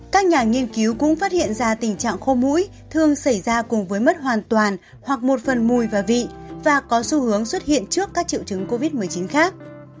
các nhà nghiên cứu cũng phát hiện ra tình trạng khô mũi thường xảy ra cùng với mất hoàn toàn hoặc một phần mùi và vị và có xu hướng xuất hiện trước các triệu chứng covid một mươi chín khác